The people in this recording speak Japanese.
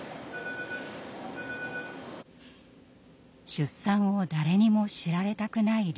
出産を誰にも知られたくない理由。